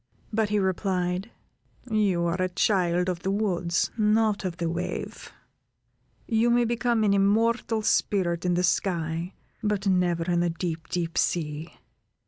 But he replied: "You are a child of the woods, not of the wave; you may become an immortal spirit in the sky, but never in the deep, deep sea."